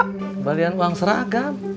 kembalian uang seragam